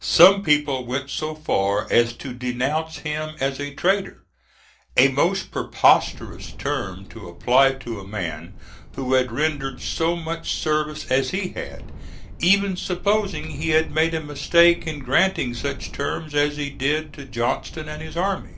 Some people went so far as to denounce him as a traitor a most preposterous term to apply to a man who had rendered so much service as he had, even supposing he had made a mistake in granting such terms as he did to Johnston and his army.